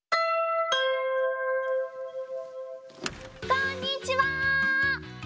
こんにちは！